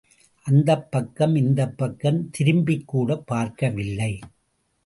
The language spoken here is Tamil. அந்தப் பக்கம் இந்தப்பக்கம் திரும்பிக்கூடப் பார்க்க வில்லை.